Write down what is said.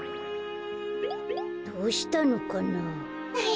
どうしたのかな。